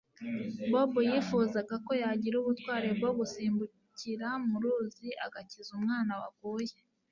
Bobo yifuzaga ko yagira ubutwari bwo gusimbukira mu ruzi agakiza umwana waguye